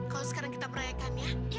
kalau sekarang kita merayakannya ya kan